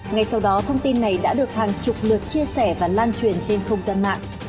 ngay sau đó thông tin này đã được hàng chục lượt chia sẻ và lan truyền trên không gian mạng